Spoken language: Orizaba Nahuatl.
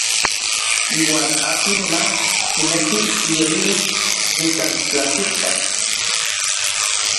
Iuan akin mach kineki iyolilis nikan tlaltikpak.